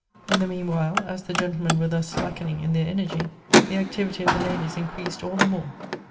In the meanwhile, as the gentlemen were thus slacken ing in their energy, the activity of the ladies increased all the more.